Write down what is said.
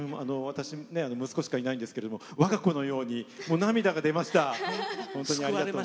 私、息子しかいないんですけどもわが子のように涙が出ました。